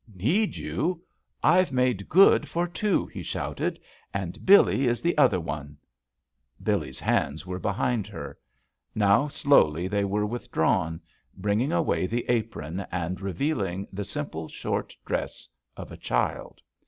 "Need you I I've made good for two," he shouted, "and Billee is the other one." Billee's hands were behind her. Now, slowly they ^ JUST SWEETHEARTS were withdrawn, bringing away the apron and revealing the simple short dress of a child.